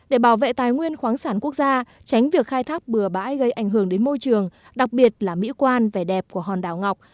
để bảo vệ tài nguyên khoáng sản quốc gia tránh việc khai thác bừa bãi gây ảnh hưởng đến môi trường đặc biệt là mỹ quan về đẹp của hòn đảo ngọc